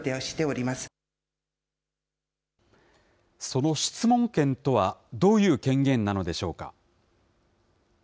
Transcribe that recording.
その質問権とは、どういう権限なのでしょうか。